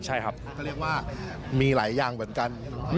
ก็เรียกว่ามีหลายอย่างเหมือนกัน